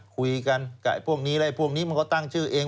คุยกันกับพวกนี้อะไรพวกนี้มันก็ตั้งชื่อเอง